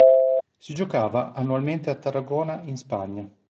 Si giocava annualmente a Tarragona in Spagna.